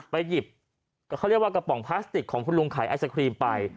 ไปหยิบกระบองพลาสติกของคุณลุงขายไอศกรีมไป